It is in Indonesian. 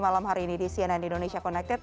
malam hari ini di cnn indonesia connected